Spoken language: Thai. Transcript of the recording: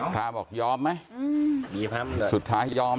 พระบอกยอมไหมสุดท้ายยอม